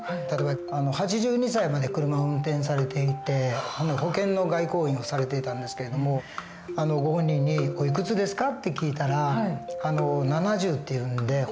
例えば８２歳まで車を運転されていて保険の外交員をされていたんですけれどもご本人に「おいくつですか？」って聞いたら７０って言うんで。